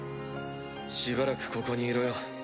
しばらくここにいろよ